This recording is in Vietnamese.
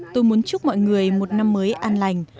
tôi muốn chúc mọi người một năm mới an lành